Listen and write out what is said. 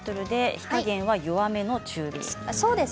火加減は弱めの中火です。